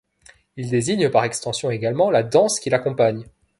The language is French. Il désigne par extension également la danse qui l'accompagne.